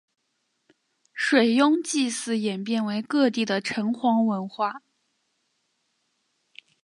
水庸祭祀演变为各地的城隍文化。